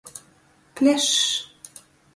Plešs.